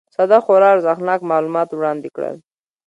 ساده خورا ارزښتناک معلومات وړاندي کړل